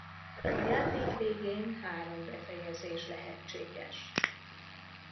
A játék végén három befejezés lehetséges.